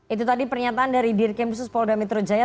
itu tadi pernyataan dari dir krimsus polda metro jaya